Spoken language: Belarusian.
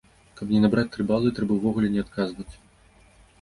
Каб не набраць тры балы, трэба ўвогуле не адказваць!